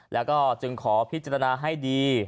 แล้วก็จึงขอพิจารณาให้ดี